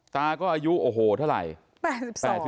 ตาก็อายุโอ้โหเท่าไหร่